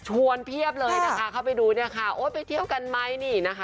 เพียบเลยนะคะเข้าไปดูเนี่ยค่ะโอ๊ยไปเที่ยวกันไหมนี่นะคะ